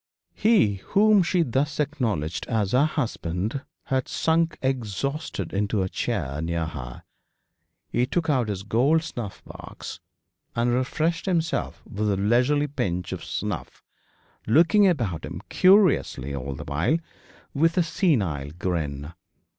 He, whom she thus acknowledged as her husband, had sunk exhausted into a chair near her. He took out his gold snuff box, and refreshed himself with a leisurely pinch of snuff, looking about him curiously all the while, with a senile grin.